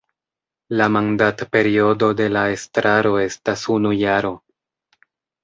La mandatperiodo de la estraro estas unu jaro.